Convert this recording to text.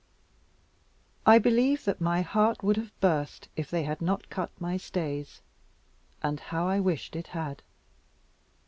I believe that my heart would have burst, if they had not cut my stays; and how I wished it had.